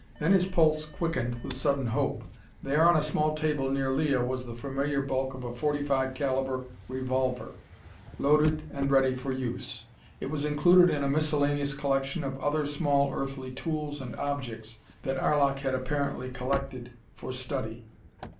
Then his pulse quickened with sudden hope. There on a small table near Leah was the familiar bulk of a .45 calibre revolver, loaded and ready for use. It was included in a miscellaneous collection of other small earthly tools and objects that Arlok had apparently collected for study.